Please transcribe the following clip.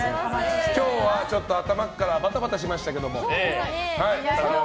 今日は頭からバタバタしましたけど。